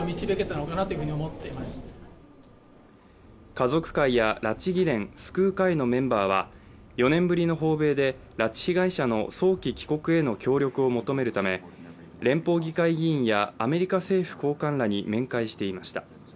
家族会や拉致議連、救う会のメンバーは４年ぶりの訪米で拉致被害者の早期帰国への協力を求めるため連邦議会議員やアメリカ政府高官らに面会していました。